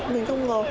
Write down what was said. mình không ngờ